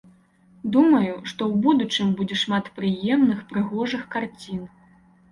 Думаю, што ў будучым будзе шмат прыемных прыгожых карцін.